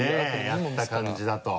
やった感じだと。